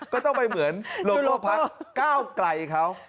ก็ต้องไปเหมือนโลโก้พักก้าวไกลเขา